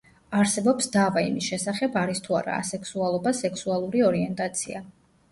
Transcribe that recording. არსებობს დავა იმის შესახებ არის თუ არა ასექსუალობა სექსუალური ორიენტაცია.